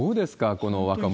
この若者。